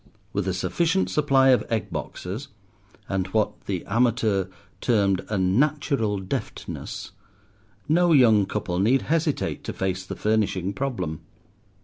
With a sufficient supply of egg boxes, and what The Amateur termed a "natural deftness," no young couple need hesitate to face the furnishing problem.